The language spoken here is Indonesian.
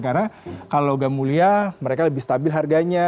karena kalau logam mulia mereka lebih stabil harganya